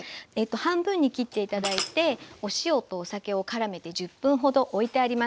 半分に切って頂いてお塩とお酒をからめて１０分ほどおいてあります。